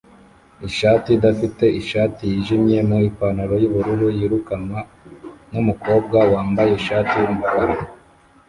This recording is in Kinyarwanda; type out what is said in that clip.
Ishati idafite ishati yinjiye mu ipantaro yubururu yirukanwa numukobwa wambaye ishati yumukara